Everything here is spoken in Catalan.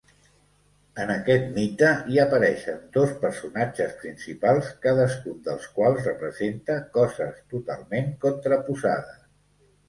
En aquest mite, hi apareixen dos personatges principals cadascun dels quals representa coses totalment contraposades.